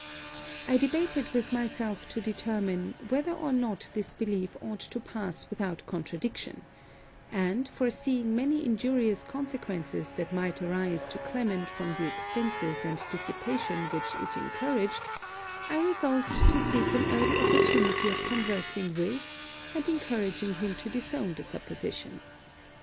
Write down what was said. I debated with myself to determine, whether or not this belief ought to pass without contradiction; and, foreseeing many injurious consequences that might arise to Clement from the expences and dissipation which it encouraged, I resolved to seek an early opportunity of conversing with and encouraging him to disown the supposition.